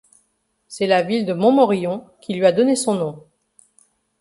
C'est la ville de Montmorillon, qui lui a donné son nom.